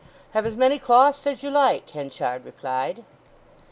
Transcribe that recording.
"Have as many cloths as you like," Henchard replied.